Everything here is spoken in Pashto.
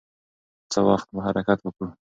څه وخت به حرکت وکړو؟